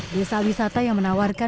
desa wisata yang menawarkan